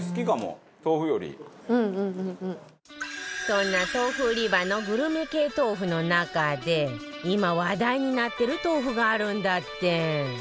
そんな豆腐売り場のグルメ系豆腐の中で今話題になってる豆腐があるんだって